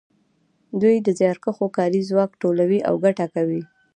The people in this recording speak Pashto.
دوی د زیارکښو کاري ځواک لوټوي او ګټه کوي